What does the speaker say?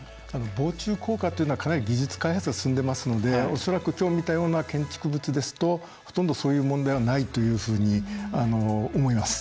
防虫効果というのはかなり技術開発が進んでますので恐らくきょう見たような建築物ですとほとんど、そういう問題はないというふうに思います。